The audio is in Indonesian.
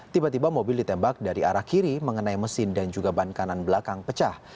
tiba tiba mobil ditembak dari arah kiri mengenai mesin dan juga ban kanan belakang pecah